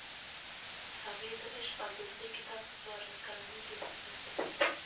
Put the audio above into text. هغې د "عشق او دوستي" کتاب په څوارلس کلنۍ کې بشپړ کړ.